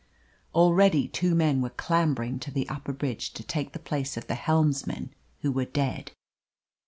Already two men were clambering to the upper bridge to take the place of the helmsmen who were dead.